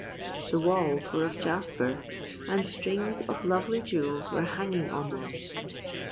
The walls were of jasper, and strings of lovely jewels were hanging on them.